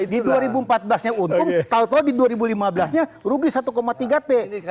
di dua ribu empat belas nya untung tau tau di dua ribu lima belas nya rugi satu tiga t